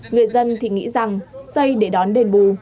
người dân thì nghĩ rằng xây để đón đền bù